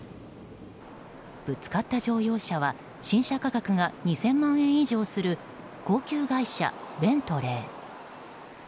ぶつかった乗用車は新車価格が２０００万円以上する高級外車、ベントレー。